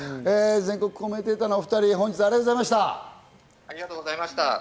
全国コメンテーターのお２人、本日はありがとうございました。